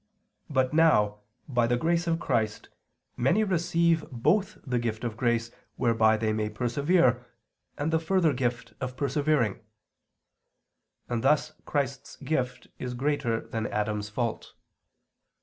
But now, by the grace of Christ, many receive both the gift of grace whereby they may persevere, and the further gift of persevering," and thus Christ's gift is greater than Adam's fault.